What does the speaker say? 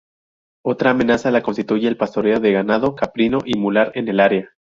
Otra amenaza la constituye el pastoreo de ganado caprino y mular en el área.